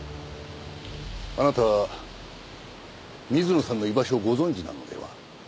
あなたは水野さんの居場所をご存じなのでは？